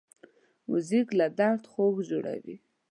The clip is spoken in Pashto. موزیک له درد خوږ جوړوي.